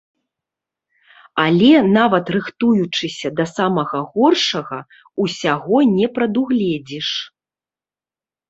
Але, нават рыхтуючыся да самага горшага, усяго не прадугледзіш.